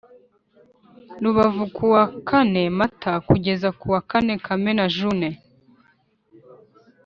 Rubavu kuva ku wa kane mata kugeza kuwa kane Kamena June